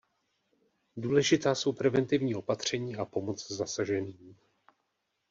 Důležitá jsou preventivní opatření a pomoc zasaženým.